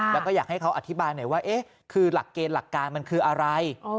แล้วก็อยากให้เขาอธิบายหน่อยว่าคือหลักเกณฑ์หลักการมันคืออะไร